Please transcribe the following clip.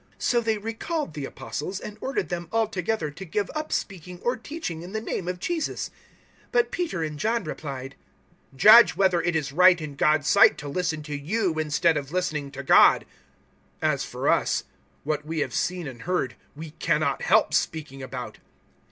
004:018 So they recalled the Apostles, and ordered them altogether to give up speaking or teaching in the name of Jesus. 004:019 But Peter and John replied, "Judge whether it is right in God's sight to listen to you instead of listening to God. 004:020 As for us, what we have seen and heard we cannot help speaking about."